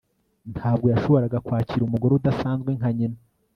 Ntabwo yashoboraga kwakira umugore udasanzwe nka nyina